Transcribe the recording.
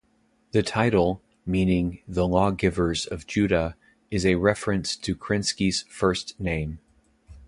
The title, meaning "The Lawgivers of Judah", is a reference to Krinsky's first name.